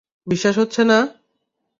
বিশ্বাস হচ্ছে না?